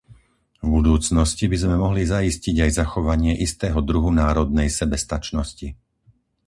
V budúcnosti by sme mohli zaistiť aj zachovanie istého druhu národnej sebestačnosti.